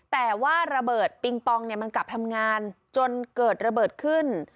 แต่ว่าระเบิดปิงปองมันกลับทำงานจนเกิดระเบิดขึ้น